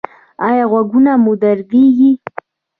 ایا غوږونه مو دردیږي؟